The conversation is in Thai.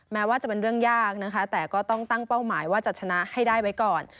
แม้ว่าจะเป็นเรื่องยากนะคะแต่ก็ต้องตั้งเป้าหมายว่าจะชนะให้ได้ไว้ก่อน